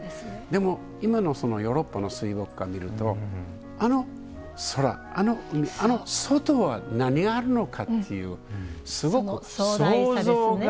でも今のそのヨーロッパの水墨画見るとあの空あの海あの外は何があるのかっていうすごく想像が働くんですね。